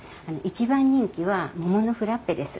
一番人気は桃のフラッペです。